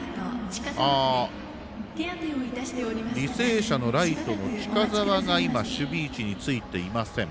履正社のライトの近澤が今、守備位置についていません。